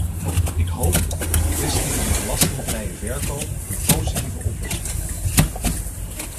Ik hoop dat de kwestie van de belastingvrije verkoop een positieve oplossing krijgt.